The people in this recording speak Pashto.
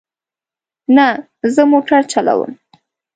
نه، زه موټر چلوم